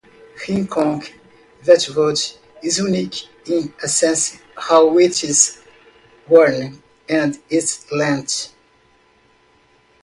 "Rikong vetvot" is unique in a sense how it is worn and its length.